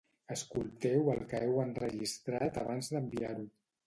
Escolteu el que heu enregistrat abans d'enviar-ho